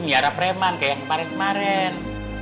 nyiara preman kayak yang kemarin kemarin